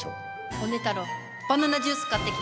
ホネ太郎バナナジュース買ってきて。